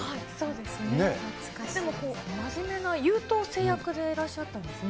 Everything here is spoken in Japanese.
でも、真面目な優等生役でいらっしゃったんですね。